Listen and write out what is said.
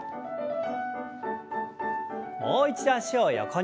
もう一度脚を横に。